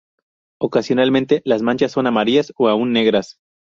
Ocasionalmente, las manchas son amarillas o aún negras.